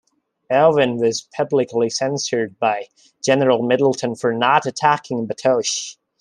Irvine was publicly censured by General Middleton for not attacking Batoche.